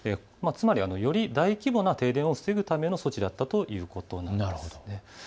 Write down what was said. つまり、より大規模な停電を防ぐための措置だったということになります。